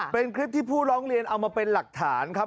เป็นคลิปที่ผู้ร้องเรียนเอามาเป็นหลักฐานครับ